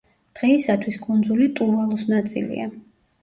დღეისათვის კუნძული ტუვალუს ნაწილია.